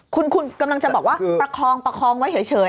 คุณกำลังจะบอกว่าประคองประคองไว้เฉย